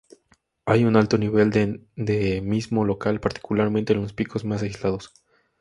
Hay un alto nivel de endemismo local, particularmente en los picos más aislados.